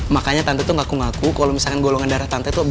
makanya tante tuh ngaku ngaku kalau misalkan golongan darah tante tuh